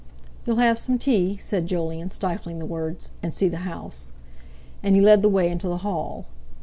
"You'll have some tea?" said Jolyon, stifling the words: "And see the house." And he led the way into the hall.